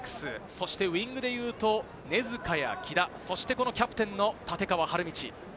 そしてウイングでいうと、根塚や木田、そしてキャプテンの立川理道。